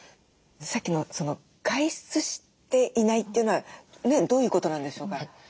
さっきの外出していないっていうのはどういうことなんでしょうか？